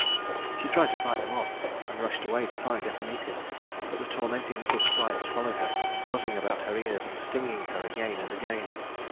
She tried to fight them off, and rushed away to find Epimetheus; but the tormenting little sprites followed her, buzzing about her ears and stinging her again and again.